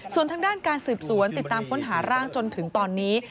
ส่วนทางด้านการสืบสวนติดตามค้นหาร่างจนถึงตอนนี้